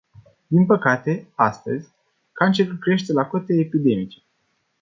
Din păcate, astăzi, cancerul crește la cote epidemice.